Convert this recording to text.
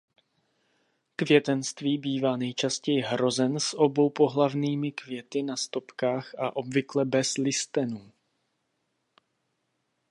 Květenství bývá nejčastěji hrozen s oboupohlavnými květy na stopkách a obvykle bez listenů.